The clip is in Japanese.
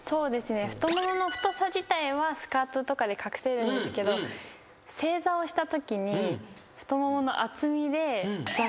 太ももの太さ自体はスカートとかで隠せるんですけど正座をしたときに太ももの厚みで。